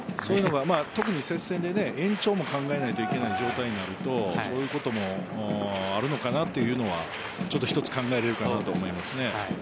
特に接戦で延長も考えないといけない状態になるとそういうこともあるのかなというのはちょっと一つ考えられるかなと思います。